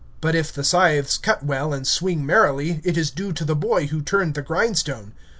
But if the scythes cut well and swing merrily, it is due to the boy who turned the grindstone.